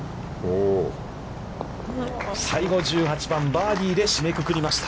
最後１８番バーディーで締めくくりました。